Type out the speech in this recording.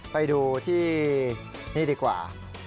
ไปดูที่นี่ดีกว่า